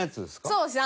そうです。